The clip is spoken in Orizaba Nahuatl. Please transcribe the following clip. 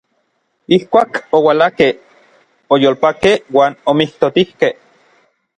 Ijkuak oualakej, oyolpakej uan omijtotijkej.